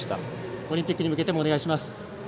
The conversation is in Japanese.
オリンピックに向けてお願いします。